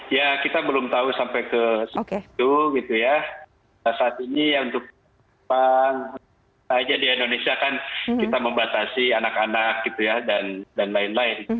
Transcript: ya kita belum tahu sampai ke situ saat ini yang untuk di indonesia kan kita membatasi anak anak dan lain lain